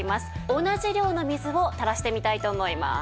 同じ量の水を垂らしてみたいと思います。